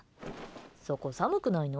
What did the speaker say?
そこ寒くないの？